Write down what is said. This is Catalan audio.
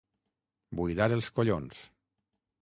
Buidar els collons.